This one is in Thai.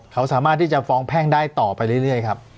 เขาสามารถที่จะฟ้องแพ่งได้ต่อไปเรื่อยครับ